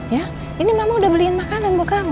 ya ini mama udah beliin makanan buat kamu